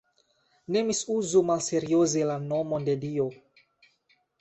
Ne misuzu malserioze la nomon de Dio.